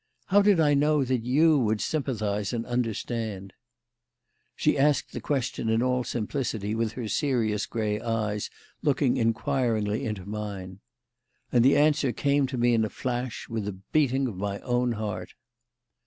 How did I know that you would sympathise and understand?" She asked the question in all simplicity with her serious, grey eyes looking inquiringly into mine. And the answer came to me in a flash, with the beating of my own heart.